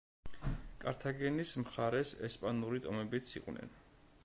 კართაგენის მხარეს ესპანური ტომებიც იყვნენ.